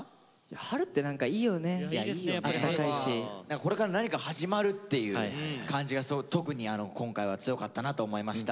これから何か始まるっていう感じが特に今回は強かったなと思いました。